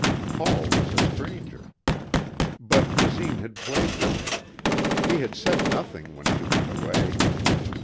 Paul was a stranger. But Basine had played with her. He had said nothing when she went away.